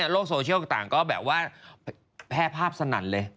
โลกโซเชียลต่างก็แพร่ภาพสนันเลย